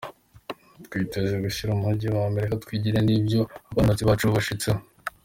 "Twiteze gushimira umugwi wa Amerika, twigine n'ivyo abanonotsi bacu bashitseko.